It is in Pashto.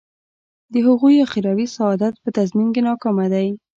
د هغوی اخروي سعادت په تضمین کې ناکامه دی.